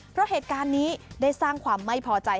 เพราะเหตุการณ์นี้ได้สร้างความไม่พอใจ